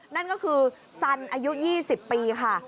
นั่นก็คือสันอายุ๒๐ปีค่ะ